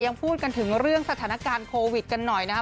ยังพูดกันถึงเรื่องสถานการณ์โควิดกันหน่อยนะครับ